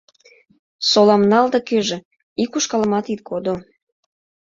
— Солам нал да кӧжӧ, ик ушкалымат ит кодо.